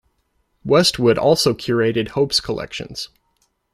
Westwood also curated Hope's collections.